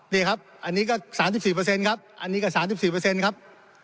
นี่ครับอันนี้ก็๓๔ครับอันนี้ก็๓๔ครับ